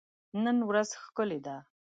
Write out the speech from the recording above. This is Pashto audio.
نن ورځ ښکلي ده.